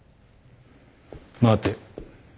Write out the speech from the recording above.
待て。